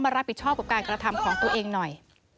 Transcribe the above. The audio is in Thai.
รับผิดชอบกับการกระทำของตัวเองหน่อย